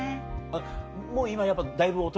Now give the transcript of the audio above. もう今やっぱだいぶ大人？